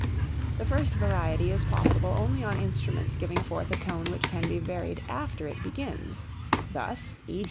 The first variety is possible only on instruments giving forth a tone which can be varied after it begins. Thus _e.